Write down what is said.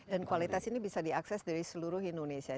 kualitas ini bisa diakses dari seluruh indonesia